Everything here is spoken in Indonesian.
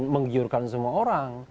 menggiurkan semua orang